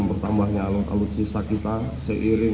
bertambahnya pangkalan pangkalan kita yang bisa